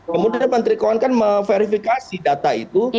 kemudian menteri keuangan kan memverifikasi data itu